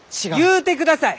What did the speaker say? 言うてください！